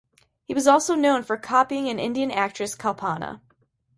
He was also known for copying an Indian actress Kalpana.